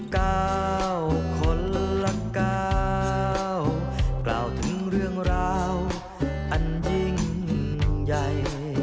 คนละก้าวกล่าวถึงเรื่องราวอันยิ่งใหญ่